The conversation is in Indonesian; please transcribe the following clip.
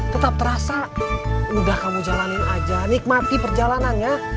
tetap terasa udah kamu jalanin aja nikmati perjalanannya